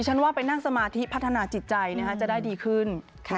ฉันว่าไปนั่งสมาธิพัฒนาจิตใจจะได้ดีขึ้น